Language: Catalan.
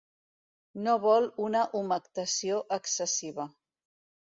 No vol una humectació excessiva.